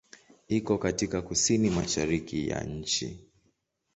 Iko katika kusini-mashariki ya nchi.